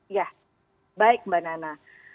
ya baik mbak nana